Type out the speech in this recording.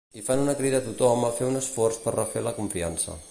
I fan una crida a tothom a fer un esforç per refer la confiança.